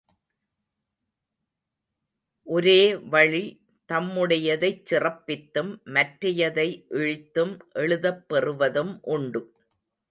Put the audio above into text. ஒரோ வழி தம்முடையதைச் சிறப்பித்தும், மற்றையதை இழித்தும் எழுதப்பெறுவதும் உண்டு.